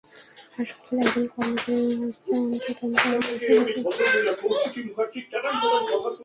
হাসপাতালের একজন কর্মচারী হন্তদন্ত হয়ে এসে দেখলেন লিফট বন্ধ হয়ে গেছে।